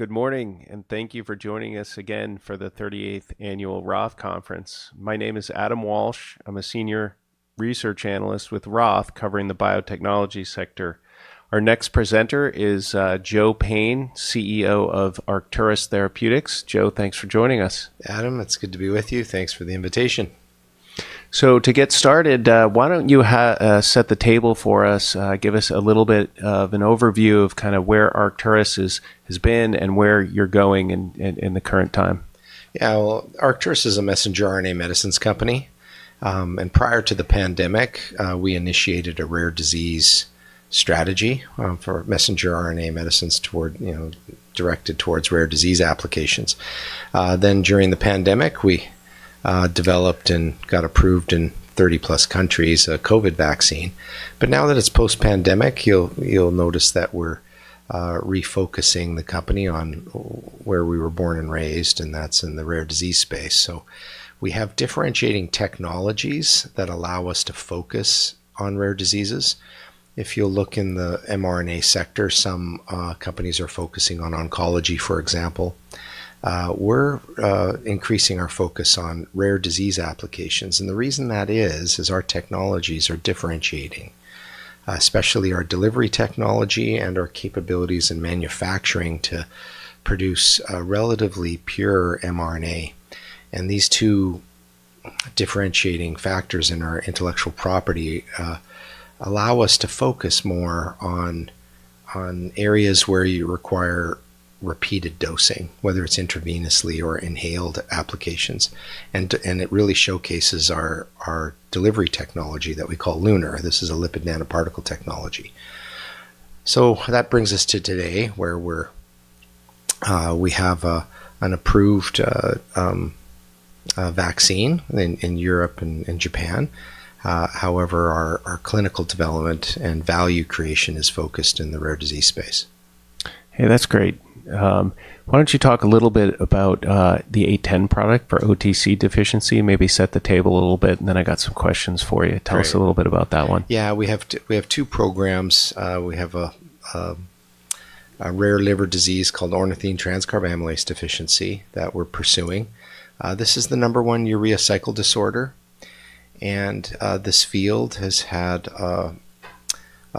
Good morning, and thank you for joining us again for the 38th Annual ROTH Conference. My name is Adam Walsh. I'm a Senior Research Analyst with ROTH, covering the biotechnology sector. Our next presenter is Joe Payne, CEO of Arcturus Therapeutics. Joe, thanks for joining us. Adam, it's good to be with you. Thanks for the invitation. To get started, why don't you set the table for us. Give us a little bit of an overview of kinda where Arcturus is, has been and where you're going in the current time. Yeah. Well, Arcturus is a messenger RNA medicines company. Prior to the pandemic, we initiated a rare disease strategy for messenger RNA medicines toward, you know, directed towards rare disease applications. During the pandemic, we developed and got approved in 30+ countries a COVID vaccine. Now that it's post-pandemic, you'll notice that we're refocusing the company on where we were born and raised, and that's in the rare disease space. We have differentiating technologies that allow us to focus on rare diseases. If you'll look in the mRNA sector, some companies are focusing on oncology, for example. We're increasing our focus on rare disease applications, and the reason that is our technologies are differentiating, especially our delivery technology and our capabilities in manufacturing to produce a relatively pure mRNA. These two differentiating factors in our intellectual property allow us to focus more on areas where you require repeated dosing, whether it's intravenously or inhaled applications. It really showcases our delivery technology that we call LUNAR. This is a lipid nanoparticle technology. That brings us to today, where we have an approved vaccine in Europe and Japan. However, our clinical development and value creation is focused in the rare disease space. Hey, that's great. Why don't you talk a little bit about the ARCT-810 product for OTC deficiency, maybe set the table a little bit, and then I got some questions for you. Great. Tell us a little bit about that one. Yeah. We have two programs. We have a rare liver disease called ornithine transcarbamylase deficiency that we're pursuing. This is the number one urea cycle disorder, and this field has had a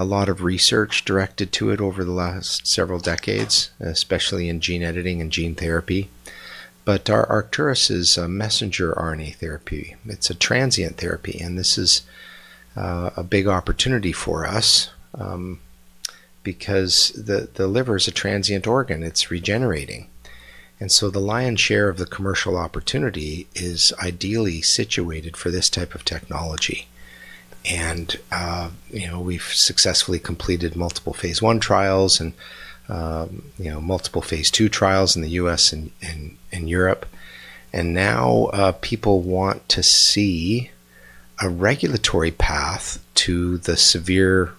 lot of research directed to it over the last several decades, especially in gene editing and gene therapy. But our Arcturus is a messenger RNA therapy. It's a transient therapy, and this is a big opportunity for us, because the liver is a transient organ, it's regenerating. The lion's share of the commercial opportunity is ideally situated for this type of technology. You know, we've successfully completed multiple phase I trials and you know, multiple phase II trials in the U.S. and Europe. Now, people want to see a regulatory path to the severe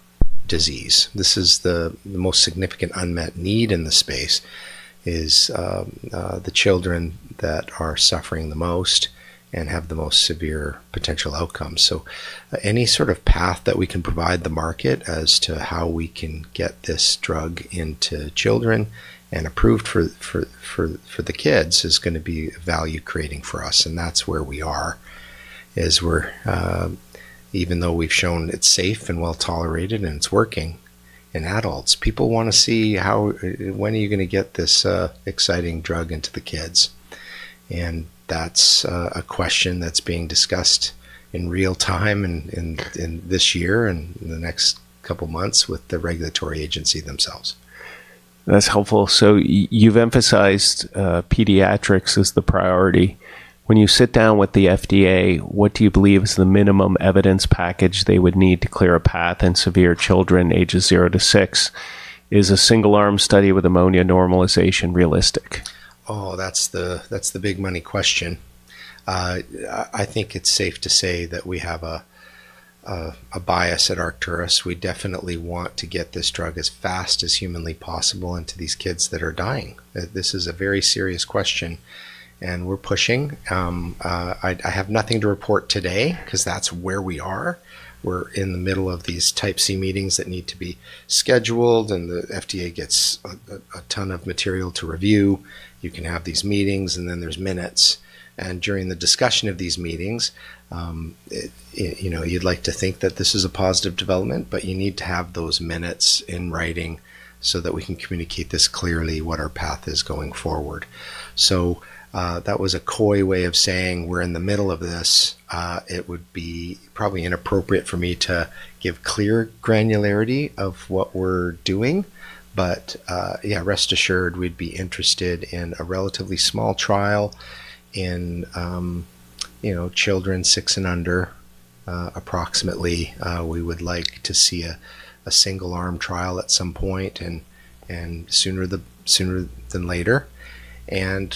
disease. This is the most significant unmet need in the space, the children that are suffering the most and have the most severe potential outcomes. Any sort of path that we can provide the market as to how we can get this drug into children and approved for the kids is gonna be value-creating for us, and that's where we are. As we're even though we've shown it's safe and well-tolerated and it's working in adults, people wanna see how when are you gonna get this exciting drug into the kids. That's a question that's being discussed in real-time in this year and in the next couple of months with the regulatory agency themselves. That's helpful. You've emphasized pediatrics as the priority. When you sit down with the FDA, what do you believe is the minimum evidence package they would need to clear a path in severe children ages 0-6? Is a single-arm study with ammonia normalization realistic? Oh, that's the big money question. I think it's safe to say that we have a bias at Arcturus. We definitely want to get this drug as fast as humanly possible into these kids that are dying. This is a very serious question, and we're pushing. I have nothing to report today 'cause that's where we are. We're in the middle of these Type C meetings that need to be scheduled, and the FDA gets a ton of material to review. You can have these meetings, and then there's minutes. During the discussion of these meetings, you know, you'd like to think that this is a positive development, but you need to have those minutes in writing so that we can communicate this clearly what our path is going forward. That was a coy way of saying we're in the middle of this. It would be probably inappropriate for me to give clear granularity of what we're doing. Yeah, rest assured, we'd be interested in a relatively small trial in you know, children six and under, approximately. We would like to see a single-arm trial at some point and sooner than later.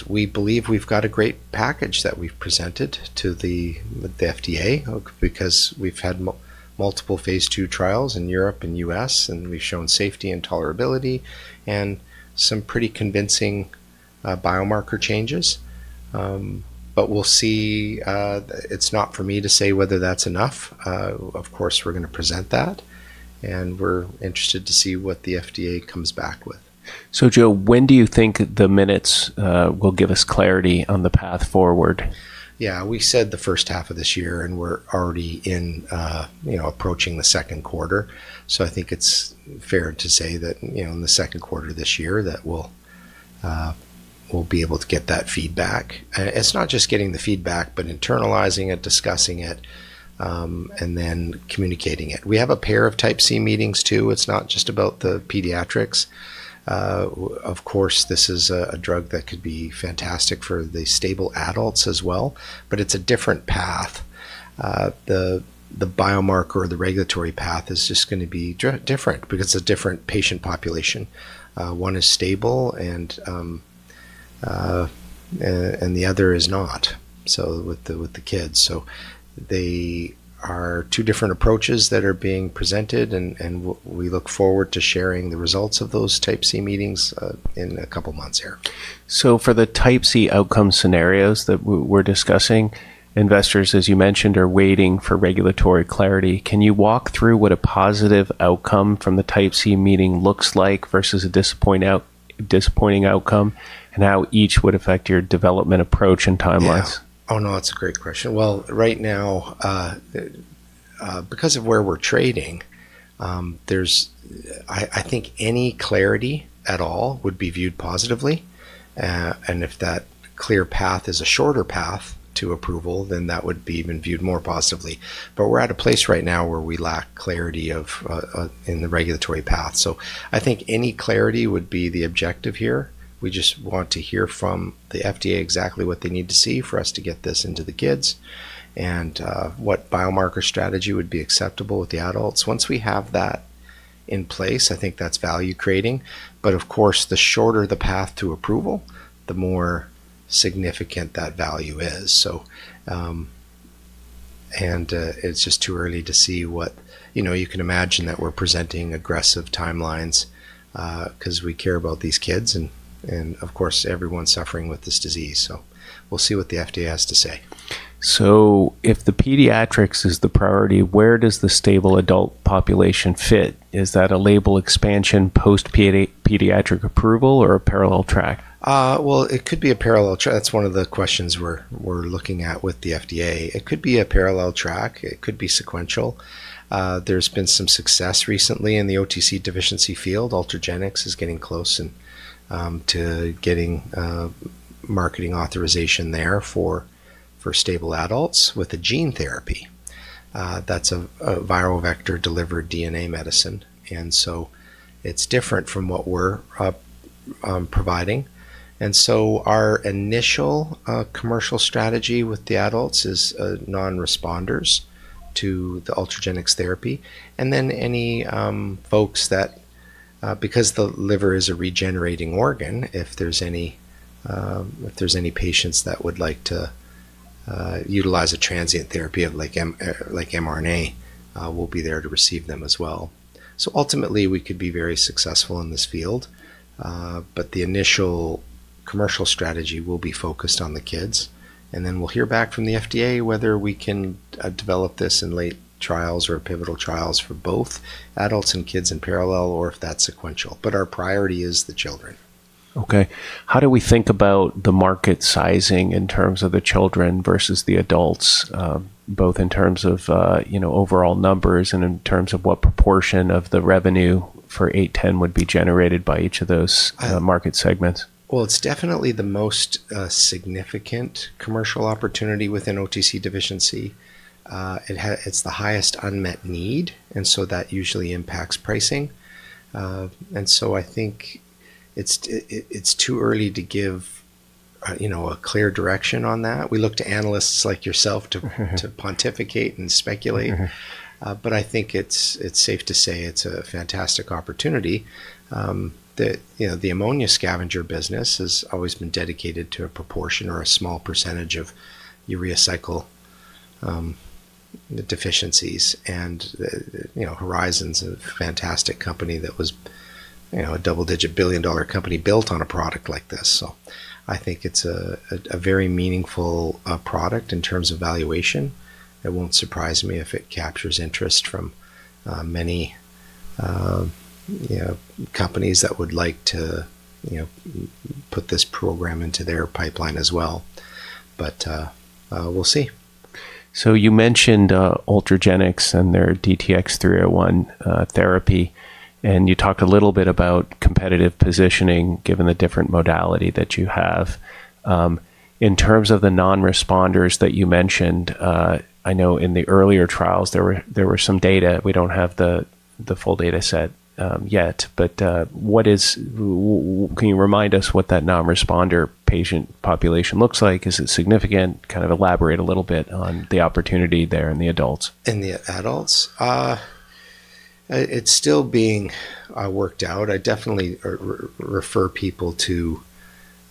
We believe we've got a great package that we've presented to the FDA because we've had multiple phase II trials in Europe and U.S., and we've shown safety and tolerability and some pretty convincing biomarker changes. We'll see, it's not for me to say whether that's enough. Of course, we're gonna present that, and we're interested to see what the FDA comes back with. Joe, when do you think the minutes will give us clarity on the path forward? Yeah. We said the first half of this year, and we're already in, you know, approaching the Q2. I think it's fair to say that, you know, in the Q2 this year that we'll be able to get that feedback. It's not just getting the feedback, but internalizing it, discussing it, and then communicating it. We have a pair of Type C meetings too. It's not just about the pediatrics. Of course, this is a drug that could be fantastic for the stable adults as well, but it's a different path. The biomarker or the regulatory path is just gonna be different because it's a different patient population. One is stable and the other is not, so with the kids. They are two different approaches that are being presented and we look forward to sharing the results of those Type C meetings in a couple of months here. For the Type C outcome scenarios that we're discussing, investors, as you mentioned, are waiting for regulatory clarity. Can you walk through what a positive outcome from the Type C meeting looks like versus a disappointing outcome, and how each would affect your development approach and timelines? Yeah. Oh, no, that's a great question. Well, right now, because of where we're trading, I think any clarity at all would be viewed positively. If that clear path is a shorter path to approval, then that would be even viewed more positively. We're at a place right now where we lack clarity on the regulatory path. I think any clarity would be the objective here. We just want to hear from the FDA exactly what they need to see for us to get this into the kids, and what biomarker strategy would be acceptable with the adults. Once we have that in place, I think that's value-creating. Of course, the shorter the path to approval, the more significant that value is. It's just too early to see what. You know, you can imagine that we're presenting aggressive timelines, 'cause we care about these kids and, of course, everyone suffering with this disease. So we'll see what the FDA has to say. If the pediatrics is the priority, where does the stable adult population fit? Is that a label expansion post pediatric approval or a parallel track? Well, it could be a parallel track. That's one of the questions we're looking at with the FDA. It could be a parallel track, it could be sequential. There's been some success recently in the OTC deficiency field. Ultragenyx is getting close to getting marketing authorization there for stable adults with a gene therapy. That's a viral vector-delivered DNA medicine. It's different from what we're providing. Our initial commercial strategy with the adults is non-responders to the Ultragenyx therapy. Then any folks that, because the liver is a regenerating organ, if there's any patients that would like to utilize a transient therapy like mRNA, we'll be there to receive them as well. Ultimately, we could be very successful in this field, but the initial commercial strategy will be focused on the kids. Then we'll hear back from the FDA whether we can develop this in late trials or pivotal trials for both adults and kids in parallel or if that's sequential. Our priority is the children. Okay. How do we think about the market sizing in terms of the children versus the adults, both in terms of, you know, overall numbers and in terms of what proportion of the revenue for ARCT-810 would be generated by each of those market segments? Well, it's definitely the most significant commercial opportunity within OTC deficiency. It's the highest unmet need, and so that usually impacts pricing. I think it's too early to give, you know, a clear direction on that. We look to analysts like yourself to pontificate and speculate. I think it's safe to say it's a fantastic opportunity that you know, the ammonia scavenger business has always been dedicated to a proportion or a small percentage of urea cycle deficiencies and you know, Horizon's a fantastic company that was you know, a double-digit billion-dollar company built on a product like this. I think it's a very meaningful product in terms of valuation. It won't surprise me if it captures interest from many you know, companies that would like to you know, put this program into their pipeline as well. We'll see. You mentioned Ultragenyx and their DTX-301 therapy, and you talked a little bit about competitive positioning given the different modality that you have. In terms of the non-responders that you mentioned, I know in the earlier trials there were some data. We don't have the full data set yet, but can you remind us what that non-responder patient population looks like? Is it significant? Kind of elaborate a little bit on the opportunity there in the adults. In the adults? It's still being worked out. I definitely refer people to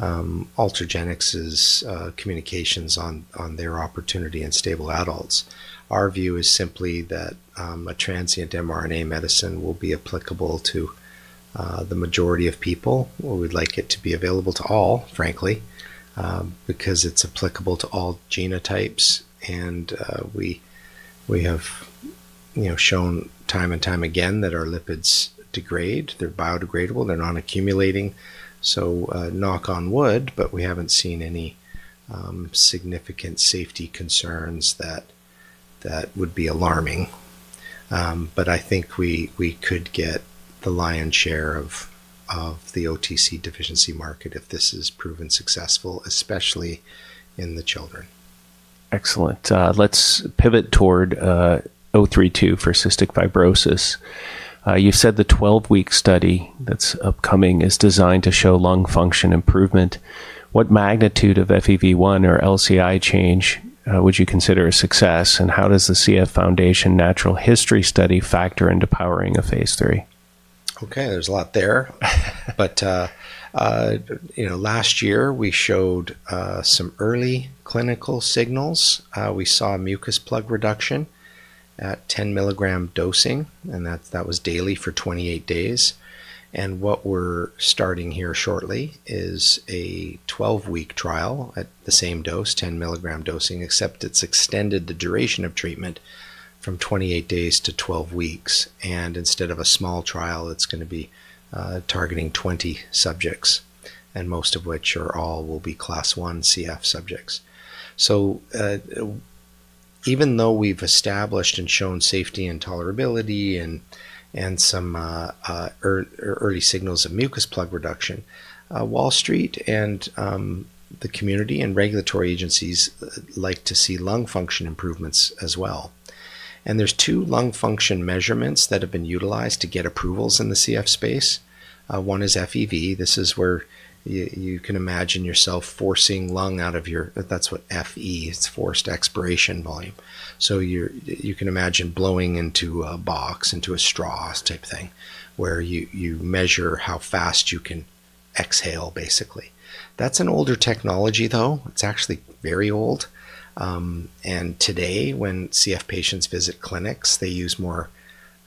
Ultragenyx's communications on their opportunity in stable adults. Our view is simply that a transient mRNA medicine will be applicable to the majority of people. We would like it to be available to all, frankly, because it's applicable to all genotypes, and we have, you know, shown time and time again that our lipids degrade. They're biodegradable. They're non-accumulating. So, knock on wood, but we haven't seen any significant safety concerns that would be alarming. But I think we could get the lion's share of the OTC deficiency market if this is proven successful, especially in the children. Excellent. Let's pivot toward 032 for cystic fibrosis. You said the 12-week study that's upcoming is designed to show lung function improvement. What magnitude of FEV1 or LCI change would you consider a success, and how does the CF Foundation natural history study factor into powering a phase III? Okay, there's a lot there. You know, last year we showed some early clinical signals. We saw mucus plug reduction at 10 mg dosing, and that was daily for 28 days. What we're starting here shortly is a 12-week trial at the same dose, 10 mg dosing, except it's extended the duration of treatment from 28 days to 12 weeks. Instead of a small trial, it's going to be targeting 20 subjects, and most of which will be Class I CF subjects. Even though we've established and shown safety and tolerability and some early signals of mucus plug reduction, Wall Street and the community and regulatory agencies like to see lung function improvements as well. There's two lung function measurements that have been utilized to get approvals in the CF space. One is FEV. This is where you can imagine yourself forcing lung out of your. That's what FE is, it's forced expiratory volume. So you can imagine blowing into a box, into a straw type thing, where you measure how fast you can exhale, basically. That's an older technology, though. It's actually very old. Today, when CF patients visit clinics, they use more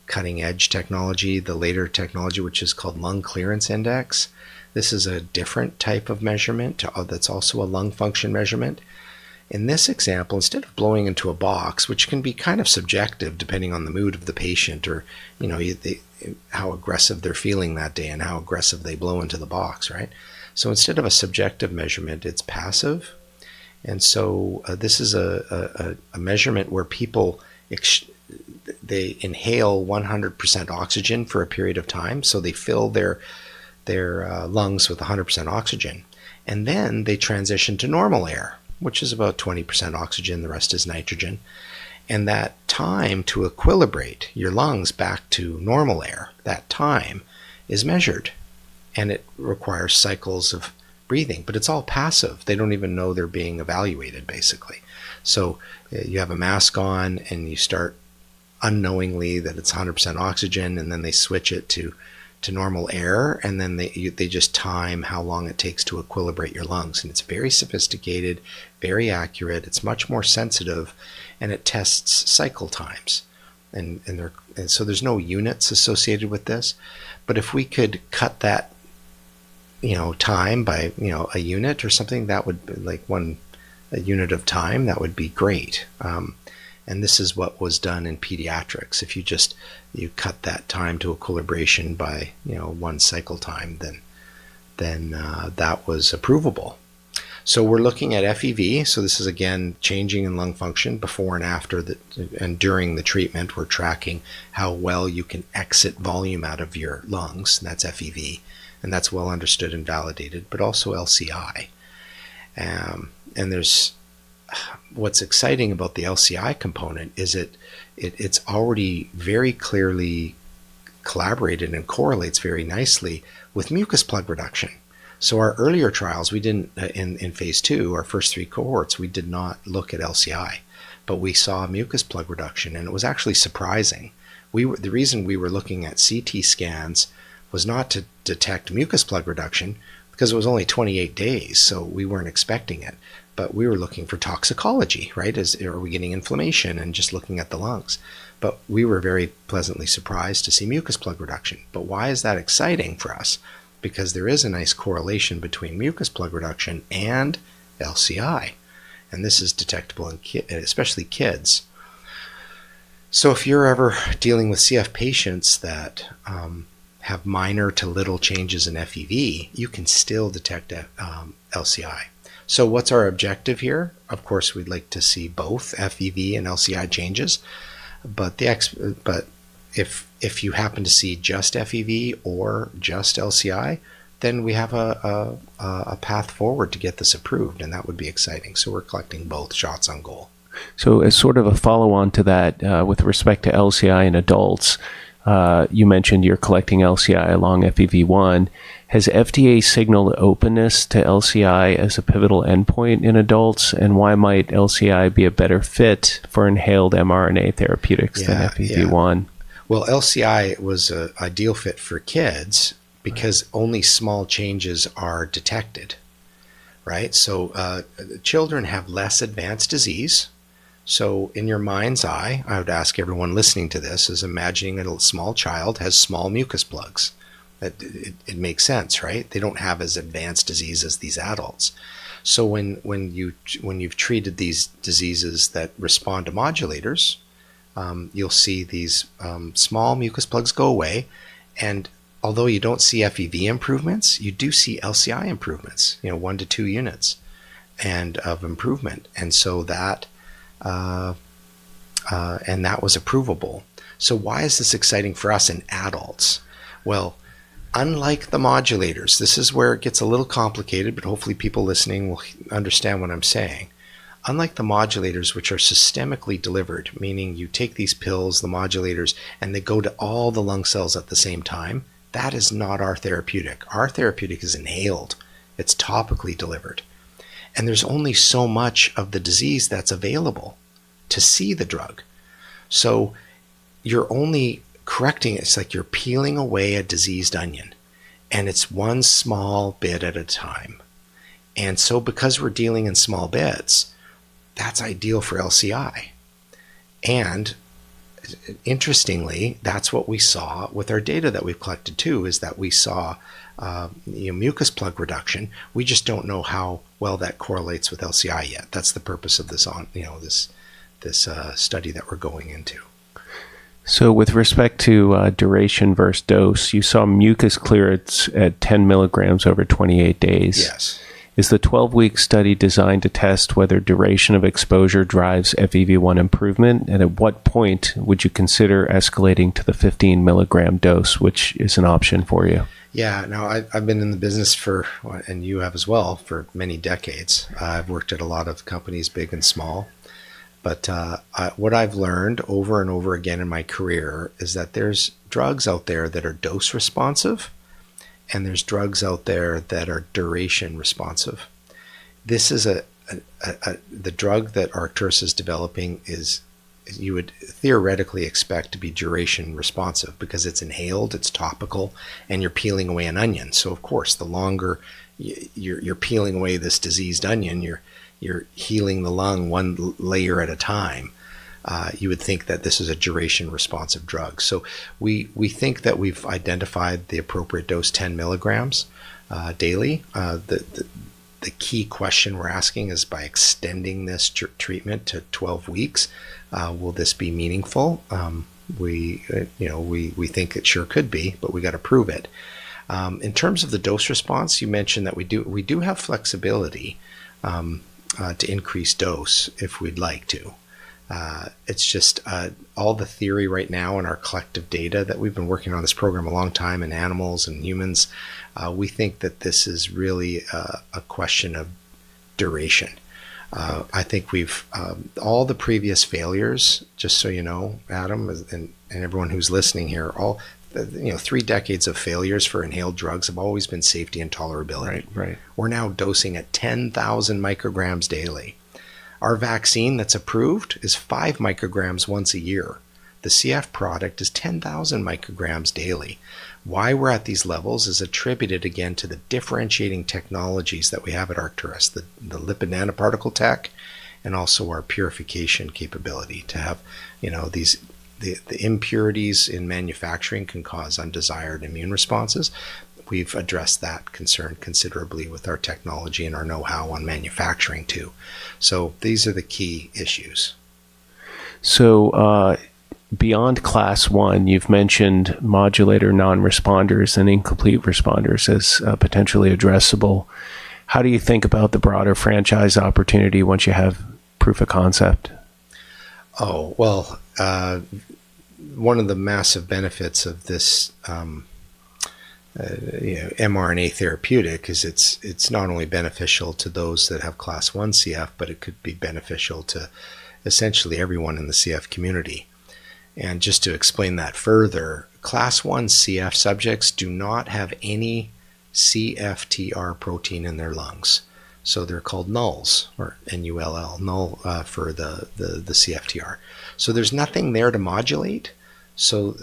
cutting-edge technology, the later technology, which is called lung clearance index. This is a different type of measurement that's also a lung function measurement. In this example, instead of blowing into a box, which can be kind of subjective depending on the mood of the patient or, you know, how aggressive they're feeling that day and how aggressive they blow into the box, right? So instead of a subjective measurement, it's passive. This is a measurement where people inhale 100% oxygen for a period of time. They fill their lungs with 100% oxygen, and then they transition to normal air, which is about 20% oxygen, the rest is nitrogen. That time to equilibrate your lungs back to normal air, that time is measured, and it requires cycles of breathing. It's all passive. They don't even know they're being evaluated, basically. You have a mask on, and you start unknowingly that it's 100% oxygen, and then they switch it to normal air, and then they just time how long it takes to equilibrate your lungs. It's very sophisticated, very accurate. It's much more sensitive, and it tests cycle times. There's no units associated with this. If we could cut that, you know, time by, you know, a unit or something, that would, like one unit of time, that would be great. This is what was done in pediatrics. If you just cut that time to equilibration by, you know, one cycle time, then that was approvable. We're looking at FEV. This is again changing in lung function before and after and during the treatment, we're tracking how well you can exhale volume out of your lungs, and that's FEV, and that's well understood and validated, but also LCI. What's exciting about the LCI component is it's already very clearly validated and correlates very nicely with mucus plug reduction. Our earlier trials, we didn't in phase II, our first three cohorts, we did not look at LCI, but we saw mucus plug reduction, and it was actually surprising. The reason we were looking at CT scans was not to detect mucus plug reduction because it was only 28 days, so we weren't expecting it, but we were looking for toxicology, right? Are we getting inflammation? Just looking at the lungs. We were very pleasantly surprised to see mucus plug reduction. Why is that exciting for us? Because there is a nice correlation between mucus plug reduction and LCI, and this is detectable in especially kids. If you're ever dealing with CF patients that have minor to little changes in FEV, you can still detect a LCI. What's our objective here? Of course, we'd like to see both FEV and LCI changes. If you happen to see just FEV or just LCI, then we have a path forward to get this approved, and that would be exciting. We're collecting both shots on goal. As sort of a follow-on to that, with respect to LCI in adults, you mentioned you're collecting LCI along FEV1. Has FDA signaled openness to LCI as a pivotal endpoint in adults? Why might LCI be a better fit for inhaled mRNA therapeutics than FEV1? Yeah. Well, LCI was an ideal fit for kids because only small changes are detected. Right. Children have less advanced disease. In your mind's eye, I would ask everyone listening to this is imagining a small child has small mucus plugs. It makes sense, right? They don't have as advanced disease as these adults. When you've treated these diseases that respond to modulators, you'll see these small mucus plugs go away. Although you don't see FEV improvements, you do see LCI improvements, you know, 1-2 units of improvement. That was approvable. Why is this exciting for us in adults? Unlike the modulators, this is where it gets a little complicated, but hopefully people listening will understand what I'm saying. Unlike the modulators, which are systemically delivered, meaning you take these pills, the modulators, and they go to all the lung cells at the same time, that is not our therapeutic. Our therapeutic is inhaled, it's topically delivered, and there's only so much of the disease that's available to see the drug. So you're only correcting it. It's like you're peeling away a diseased onion, and it's one small bit at a time. Because we're dealing in small bits, that's ideal for LCI. Interestingly, that's what we saw with our data that we've collected too, is that we saw, you know, mucus plug reduction. We just don't know how well that correlates with LCI yet. That's the purpose of this study that we're going into. With respect to duration versus dose, you saw mucus clearance at 10 milligrams over 28 days. Yes. Is the 12-week study designed to test whether duration of exposure drives FEV1 improvement? At what point would you consider escalating to the 15-milligram dose, which is an option for you? Yeah. No, I've been in the business for, and you have as well, for many decades. I've worked at a lot of companies, big and small. What I've learned over and over again in my career is that there's drugs out there that are dose responsive, and there's drugs out there that are duration responsive. The drug that Arcturus is developing is you would theoretically expect to be duration responsive because it's inhaled, it's topical, and you're peeling away an onion. Of course, the longer you're peeling away this diseased onion, you're healing the lung one layer at a time, you would think that this is a duration responsive drug. We think that we've identified the appropriate dose, 10 milligrams, daily. The key question we're asking is, by extending this treatment to 12 weeks, will this be meaningful? You know, we think it sure could be, but we got to prove it. In terms of the dose response, you mentioned that we do have flexibility to increase dose if we'd like to. It's just all the theory right now in our collective data that we've been working on this program a long time in animals and humans, we think that this is really a question of duration. All the previous failures, just so you know, Adam, and everyone who's listening here, you know, three decades of failures for inhaled drugs have always been safety and tolerability. Right. Right. We're now dosing at 10,000 micrograms daily. Our vaccine that's approved is five micrograms once a year. The CF product is 10,000 micrograms daily. Why we're at these levels is attributed again to the differentiating technologies that we have at Arcturus, the lipid nanoparticle tech and also our purification capability to have, you know, these impurities in manufacturing can cause undesired immune responses. We've addressed that concern considerably with our technology and our know-how on manufacturing too. These are the key issues. Beyond Class I, you've mentioned modulator non-responders and incomplete responders as potentially addressable. How do you think about the broader franchise opportunity once you have proof of concept? One of the massive benefits of this, you know, mRNA therapeutic is it's not only beneficial to those that have Class I CF, but it could be beneficial to essentially everyone in the CF community. Just to explain that further, Class I CF subjects do not have any CFTR protein in their lungs, so they're called nulls or N-U-L-L, null for the CFTR. There's nothing there to modulate, so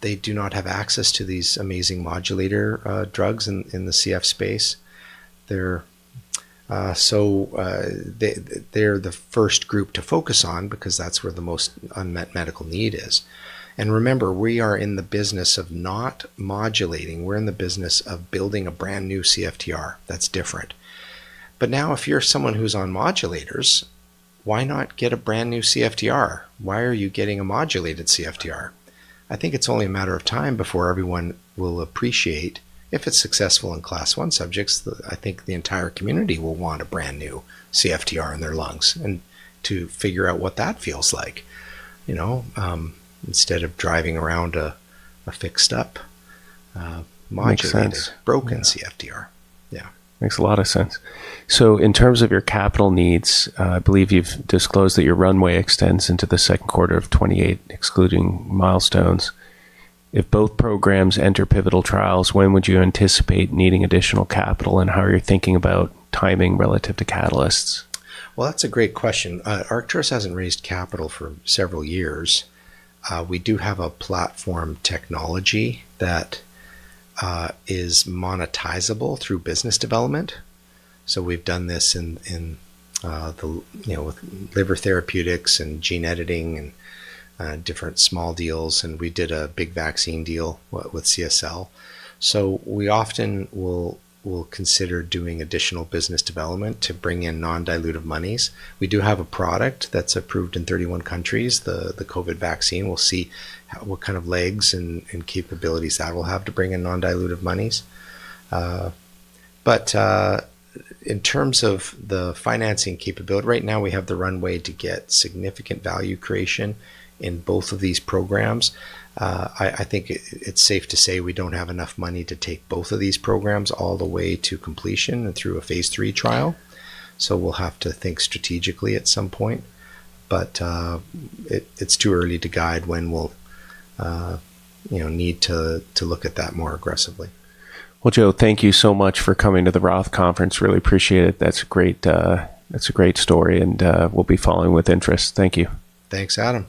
they do not have access to these amazing modulator drugs in the CF space. They're the first group to focus on because that's where the most unmet medical need is. Remember, we are in the business of not modulating. We're in the business of building a brand new CFTR that's different. Now if you're someone who's on modulators, why not get a brand new CFTR? Why are you getting a modulated CFTR? I think it's only a matter of time before everyone will appreciate if it's successful in Class I subjects. I think the entire community will want a brand new CFTR in their lungs, and to figure out what that feels like, you know, instead of driving around a fixed up modulated Makes sense. Broken CFTR. Yeah. Makes a lot of sense. In terms of your capital needs, I believe you've disclosed that your runway extends into the Q2 of 2028, excluding milestones. If both programs enter pivotal trials, when would you anticipate needing additional capital? How are you thinking about timing relative to catalysts? Well, that's a great question. Arcturus hasn't raised capital for several years. We do have a platform technology that is monetizable through business development. We've done this in the you know with liver therapeutics and gene editing and different small deals, and we did a big vaccine deal with CSL. We often will consider doing additional business development to bring in non-dilutive monies. We do have a product that's approved in 31 countries, the COVID vaccine. We'll see what kind of legs and capabilities that will have to bring in non-dilutive monies. In terms of the financing capability, right now we have the runway to get significant value creation in both of these programs. I think it's safe to say we don't have enough money to take both of these programs all the way to completion and through a phase III trial. We'll have to think strategically at some point. It's too early to guide when we'll, you know, need to look at that more aggressively. Well, Joe, thank you so much for coming to the ROTH Conference. Really appreciate it. That's a great story, and we'll be following with interest. Thank you. Thanks, Adam.